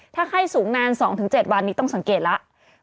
ถ้าไข้สูงนาน๒๗วันนี้ต้องสังเกตแล้ว